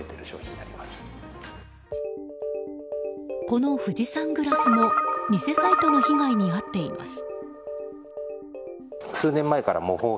この富士山グラスも偽サイトの被害に遭っています。